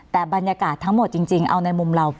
แต่บรรยากาศทั้งหมดจริงเอาในมุมเรา